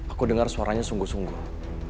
aku dengar suaranya sungguh sungguh